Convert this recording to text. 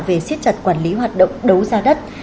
về siết chặt quản lý hoạt động đấu giá đất